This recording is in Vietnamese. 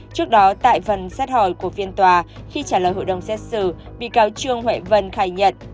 trước đó tại phần xét hỏi của phiên tòa khi trả lời hội đồng xét xử bị cáo trương huệ vân khai nhận